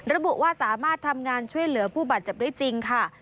ระบุว่าสามารถทำงานช่วยเหลือผู้บาดเจ็บได้จริงค่ะ